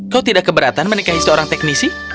kau tidak keberatan menikahi seorang teknisi